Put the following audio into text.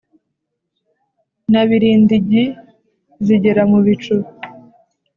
Na biridingi zigera mu bicu